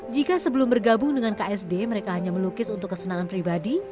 jika sebelum bergabung dengan ksd mereka hanya melukis untuk kesenangan pribadi